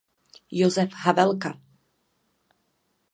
Josef Havelka.